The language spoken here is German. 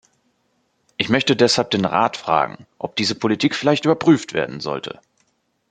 Ich möchte deshalb den Rat fragen, ob diese Politik vielleicht überprüft werden sollte.